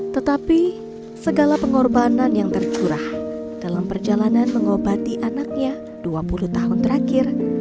tetapi segala pengorbanan yang tercurah dalam perjalanan mengobati anaknya dua puluh tahun terakhir